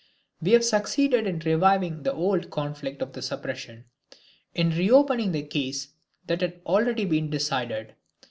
We have succeeded in reviving the old conflict of the suppression, in reopening the case that had already been decided.